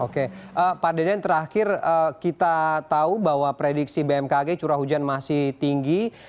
oke pak deden terakhir kita tahu bahwa prediksi bmkg curah hujan masih tinggi